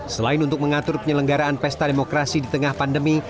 selain untuk mengatur penyelenggaraan pesta demokrasi di tengah pandemi